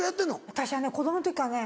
私はね子供の時からね